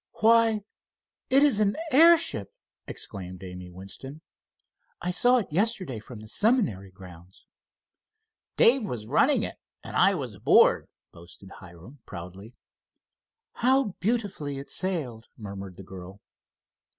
"Why, it is an airship!" exclaimed Amy Winston. "I saw it yesterday from the seminary grounds." "Dave was running it, and I was aboard," boasted Hiram, proudly. "How beautifully it sailed," murmured the girl.